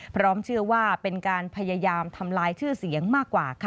พร้อมเชื่อว่าเป็นการพยายามทำลายชื่อเสียงมากกว่าค่ะ